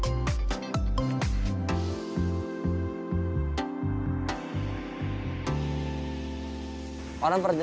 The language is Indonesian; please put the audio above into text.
jalan jalan cepat indonesia